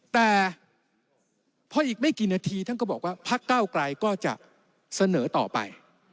แต่พออีกไม่กี่นาทีท่านก็บอกว่าพักเก้าไกลก็จะเสนอต่อไป